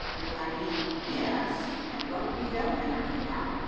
Replied he, "Yes, and what befel him after that?"